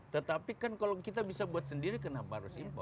tetapi kan kalau kita bisa buat sendiri kenapa harus impor